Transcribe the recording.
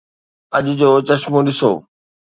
اڄ جو چشمو ڏسو.